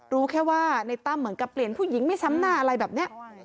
รู้แค่ว่าในตั้มเหมือนกับเปลี่ยนผู้หญิงไม่ซ้ำหน้าอะไรแบบนี้